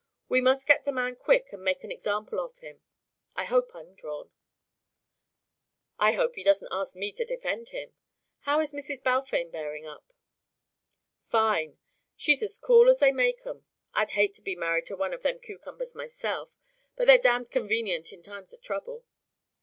We must get the man quick and make an example of him. I hope I'm drawn." "I hope he doesn't ask me to defend him. How is Mrs. Balfame bearing up?" "Fine. She's as cool as they make 'em. I'd hate to be married to one of them cucumbers myself, but they're damned convenient in times of trouble.